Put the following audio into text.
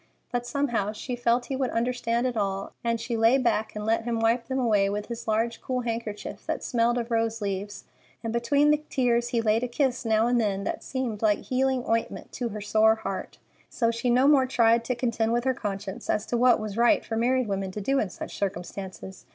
But somehow she felt he would understand it all, and she lay back and let him wipe them away with his large, cool handkerchief that smelled of rose leaves; and between the tears he laid a kiss now and then that seemed like healing ointment to her sore heart, so she no more tried to contend with her conscience as to what was right for married women to do in such circumstances.